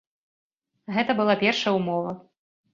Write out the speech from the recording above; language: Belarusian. Гэта была першая ўмова.